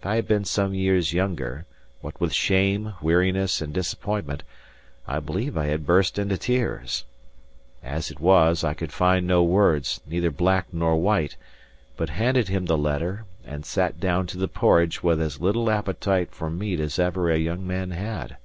If I had been some years younger, what with shame, weariness, and disappointment, I believe I had burst into tears. As it was, I could find no words, neither black nor white, but handed him the letter, and sat down to the porridge with as little appetite for meat as ever a young man had.